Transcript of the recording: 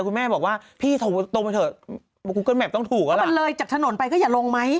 ก็บำเลยจากถนนไปก็อย่าลงมั้ย